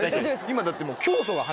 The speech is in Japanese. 今だって。